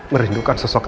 merindukan sosok anak